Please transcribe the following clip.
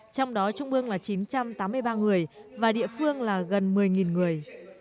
trong đó trung ương là chín trăm tám mươi ba người và địa phương là gần một mươi người